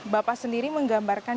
bapak sendiri menggambarkan